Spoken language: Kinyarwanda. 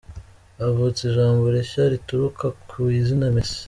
Havutse ijambo rishya rituruka ku izina Mesi